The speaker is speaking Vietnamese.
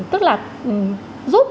tức là giúp